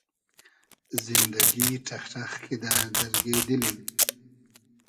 زیندئگی ݖئخ ݖئخ کیدۂ دئرگې دیلیم